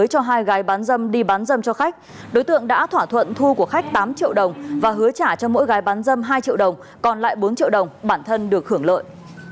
gia lô đã mua giới cho hai gái bán dâm đi bán dâm cho khách đối tượng đã thỏa thuận thu của khách tám triệu đồng và hứa trả cho mỗi gái bán dâm hai triệu đồng còn lại bốn triệu đồng bản thân được hưởng lợi